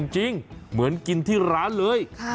จริงเหมือนกินที่ร้านเลย